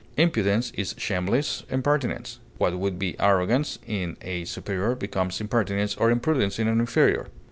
Impudence is shameless impertinence. What would be arrogance in a superior becomes impertinence or impudence in an inferior.